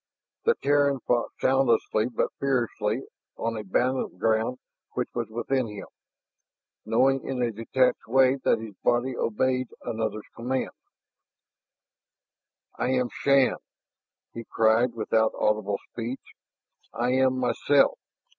The Terran fought, soundlessly but fiercely, on a battleground which was within him, knowing in a detached way that his body obeyed another's commands. "I am Shann " he cried without audible speech. "I am myself.